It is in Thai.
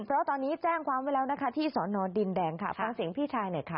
เพราะตอนนี้แจ้งความไว้แล้วนะคะที่สอนอดินแดงค่ะฟังเสียงพี่ชายหน่อยค่ะ